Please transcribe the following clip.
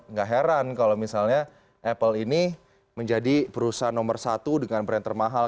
nggak heran kalau misalnya apple ini menjadi perusahaan nomor satu dengan brand termahal